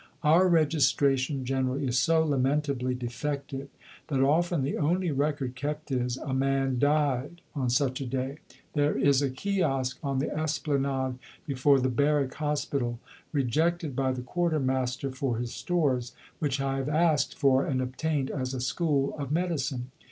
Our registration generally is so lamentably defective that often the only record kept is a man died on such a day. There is a kiosk on the Esplanade before the Barrack Hospital, rejected by the Quarter Master for his stores, which I have asked for and obtained as a School of Medicine.